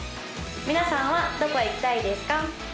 皆さんはどこへ行きたいですか？